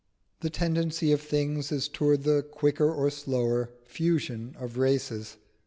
The tendency of things is towards the quicker or slower fusion of races.